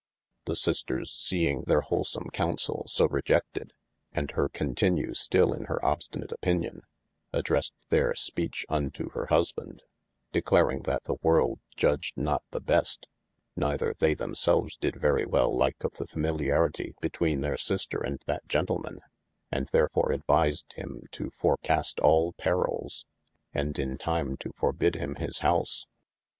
The sisters seing their holesome counsell so reje&ed, and hir continue styll in hir obstinate opinion, adressed theyr speache unto hir husbande, declaring that the worlde judged not the best, neyther they themselves did very wel like of the familiaritie betwene their sister and that gentleman, and ther fore advised him to forecast all perils, and in time to forbid him his house.